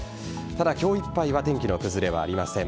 ただ、今日いっぱいは天気の崩れはありません。